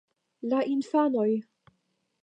La infanoj!